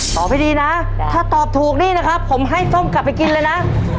ตอบให้ดีนะถ้าตอบถูกนี่นะครับผมให้ส้มกลับไปกินเลยนะ